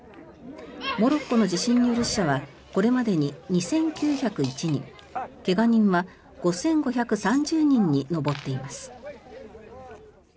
モロッコの地震による死者はこれまでに２９０１人怪我人は５５３０人に上っています。